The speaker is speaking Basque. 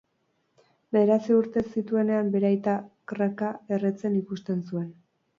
Bederatzi urte zituenean bere aita crac-a erretzen ikusten zuen.